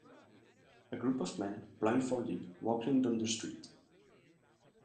A group of men, blind folded, walking down the street.